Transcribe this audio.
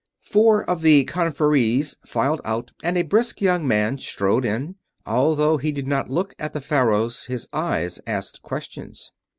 Four of the conferees filed out and a brisk young man strode in. Although he did not look at the Faros his eyes asked questions.